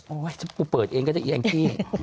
โอ๊ยถ้าเกิดเปิดเองก็จะแอ้อ้นที่